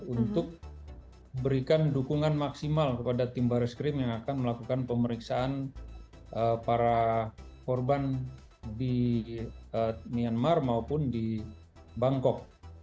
untuk berikan dukungan maksimal kepada tim baris krim yang akan melakukan pemeriksaan para korban di myanmar maupun di bangkok